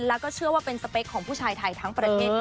แล้วก็เชื่อว่าเป็นสเปคของผู้ชายไทยทั้งประเทศ